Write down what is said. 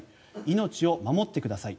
命を守ってください。